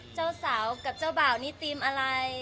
เจ้าสาวกับเจ้าเบานิติมอะไร